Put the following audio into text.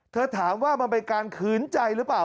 ถามว่ามันเป็นการขืนใจหรือเปล่า